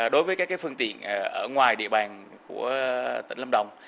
đối với các phương tiện ở ngoài địa bàn của tỉnh lâm đồng